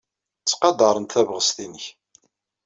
Ttqadarent tabɣest-nnek.